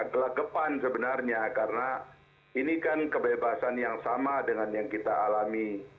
ini adalah gelagapan sebenarnya karena ini kan kebebasan yang sama dengan yang kita alami